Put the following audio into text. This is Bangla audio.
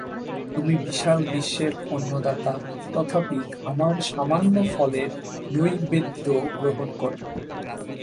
তুমি বিশাল বিশ্বের অন্নদাতা, তথাপি আমার সামান্য ফলের নৈবেদ্য গ্রহণ কর।